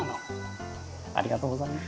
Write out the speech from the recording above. ありがとうございます。